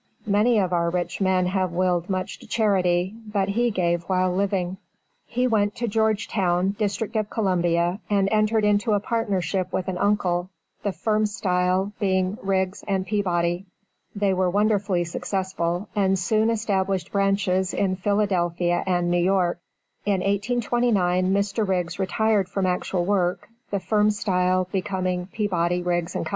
Many of our rich men have willed much to charity, but he gave while living. He went to Georgetown, District of Columbia, and entered into a partnership with an uncle, the firm style being Riggs & Peabody. They were wonderfully successful, and soon established branches in Philadelphia and New York. In 1829 Mr. Riggs retired from actual work, the firm style becoming Peabody, Riggs & Co.